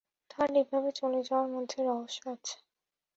তাঁর এভাবে চলে যাওয়ার মধ্যে রহস্য আছে।